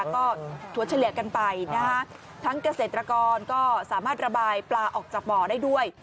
ก็ถั่วเฉลี่ยกันไปนะฮะทั้งเกษตรกรก็สามารถระบายปลาออกจากบ่อได้ด้วย